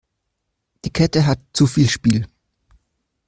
Die Kette hat zu viel Spiel.